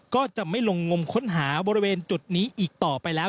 ก็จะไม่ลงงมค้นหาบริเวณจุดนี้อีกต่อไปแล้ว